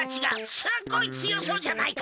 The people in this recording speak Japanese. すっごいつよそうじゃないか！